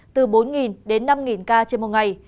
từ bốn đến năm ca trên một ngày